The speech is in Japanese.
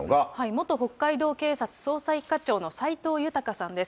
元北海道警察捜査１課長の齊藤穣さんです。